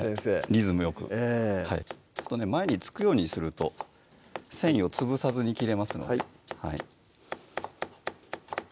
リズムよく前に突くようにすると繊維を潰さずに切れます